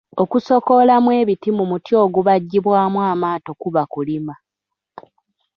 Okusokoolamu ebiti mu muti ogubajjibwamu amaato kuba kulima